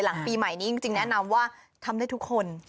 หลังปีใหม่นี้จริงแนะนำว่าทำได้ทุกคน